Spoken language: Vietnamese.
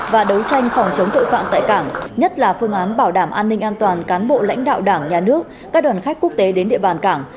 và đấu tranh phòng chống tội phạm tại cảng nhất là phương án bảo đảm an ninh an toàn cán bộ lãnh đạo đảng nhà nước các đoàn khách quốc tế đến địa bàn cảng